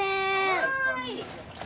・はい。